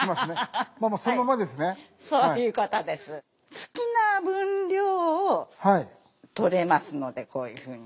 好きな分量を取れますのでこういうふうに。